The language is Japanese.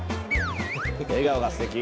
笑顔がすてき。